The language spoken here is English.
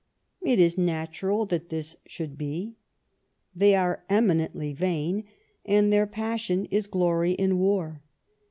It is natural that this should be. They are eminently vain, and their passion is glory in war.